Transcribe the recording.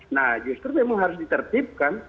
nah justru memang harus ditertibkan